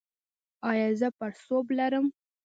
ایا زه پړسوب لرم؟